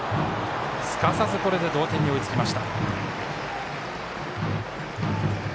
すかさず同点に追いつきました。